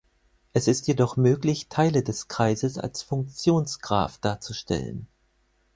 Es ist jedoch möglich, Teile des Kreises als Funktionsgraph darzustellen.